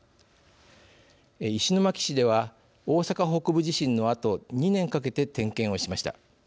石巻市では、大阪北部地震のあと２年かけて、点検をしました。